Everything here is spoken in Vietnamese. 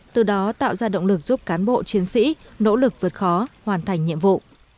từ đó tạo ra động lực giúp cán bộ chiến sĩ nỗ lực vượt khó hoàn thành nhiệm vụ